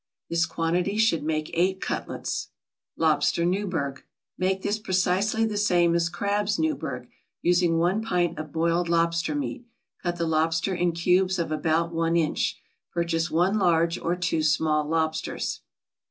This quantity should make eight cutlets. LOBSTER NEWBURG Make this precisely the same as crabs Newburg, using one pint of boiled lobster meat. Cut the lobster in cubes of about one inch. Purchase one large or two small lobsters.